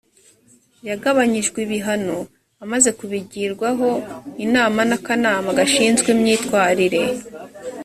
yagabanyirijwe ibihano amaze kubigirwaho inama n ‘akanama gashinzwe imyitwarire.